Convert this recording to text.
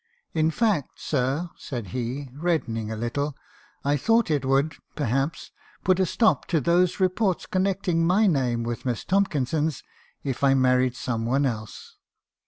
In fact, sir,' said he, reddening a little, 'I thought it would, perhaps, put a stop to those reports con necting my name with Miss Tomkinson's, if I married some one else.